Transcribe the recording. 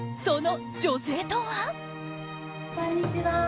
その女性とは。